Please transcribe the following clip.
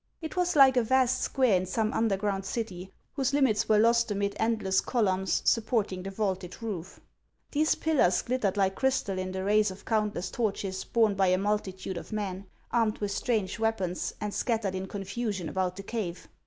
It was like a vast square in some underground city, whose limits were lost amid endless columns supporting the vaulted roof. These pillars glittered like crystal in the rays of countless torches borne by a multitude of men, armed with strange weapons, and scattered in confusion about the cave.